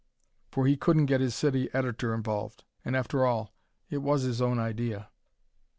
For he couldn't get his city editor involved, and after all it was his own idea.